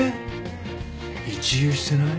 一憂してない？